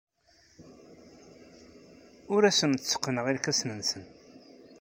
Ur asen-tteqqneɣ irkasen-nsen.